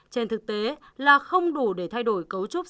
trên thực tế là không đủ để thay đổi cấu trúc